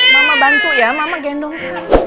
mama bantu ya mama gendong